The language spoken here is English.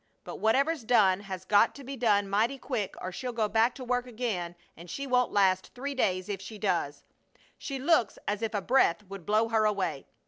But whatever's done has got to be done mighty quick or she'll go back to work again, and she won't last three days if she does. She looks as if a breath would blow her away.